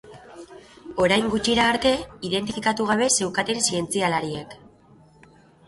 Orain gutxira arte, identifikatu gabe zeukaten zientzialariek.